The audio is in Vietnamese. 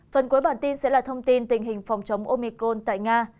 phần cuối bản tin sẽ là thông tin tình hình phòng chống omicron tại nga